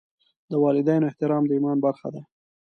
د والدینو احترام د ایمان برخه ده.